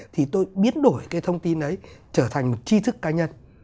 thì tôi biến đổi cái thông tin ấy trở thành một chi thức cá nhân